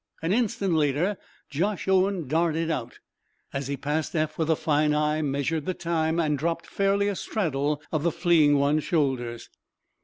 An instant later Josh Owen darted out. As he passed, Eph, with a fine eye, measured the time, and dropped fairly a straddle of the fleeing one's shoulders.